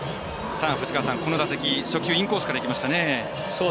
この打席、初球インコースからいきましたね。